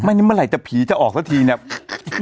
นี่เมื่อไหร่จะผีจะออกสักทีเนี่ย